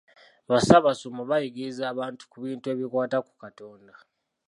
Bassaabasumba bayigiriza abantu ku bintu ebikwata ku Katonda.